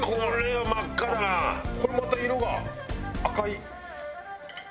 これまた色が赤い。